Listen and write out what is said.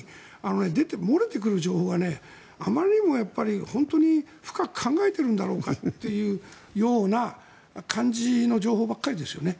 漏れてくる情報があまりにも本当に深く考えているんだろうかというような感じの情報ばかりですよね。